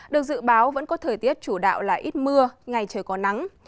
được dự báo vẫn có thời tiết chủ đạo là ít mưa ngày trời có nắng